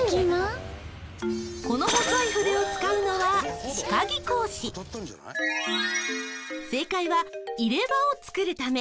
この細い筆を使うのは正解は「入れ歯を作るため」。